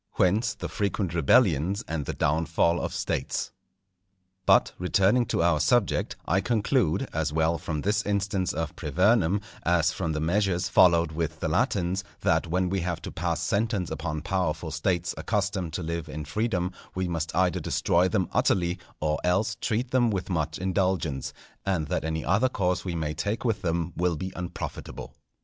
Whence, the frequent rebellions and the downfall of States. But, returning to our subject, I conclude, as well from this instance of Privernum, as from the measures followed with the Latins, that when we have to pass sentence upon powerful States accustomed to live in freedom, we must either destroy them utterly, or else treat them with much indulgence; and that any other course we may take with them will be unprofitable.